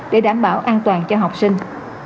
để đảm bảo an toàn cho học sinh